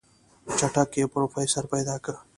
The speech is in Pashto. چټک پې پروفيسر پيدا که.